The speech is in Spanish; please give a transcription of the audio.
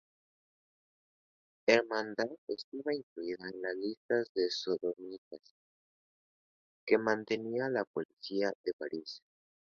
Armand estaba incluido en las listas de sodomitas que mantenía la policía de París.